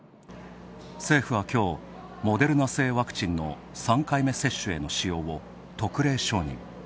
政府は、きょう、モデルナ製ワクチンの３回目接種への使用を特例承認。